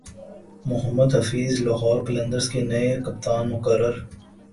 محمد حفیظ لاہور قلندرز کے نئے کپتان مقرر